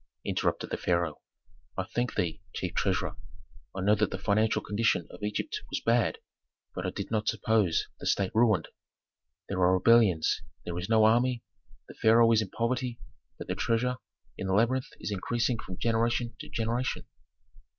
interrupted the pharaoh. "I thank thee, chief treasurer; I knew that the financial condition of Egypt was bad, but I did not suppose the state ruined. There are rebellions, there is no army, the pharaoh is in poverty; but the treasure in the labyrinth is increasing from generation to generation."